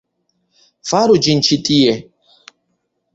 Faru ĝin ĉi tie!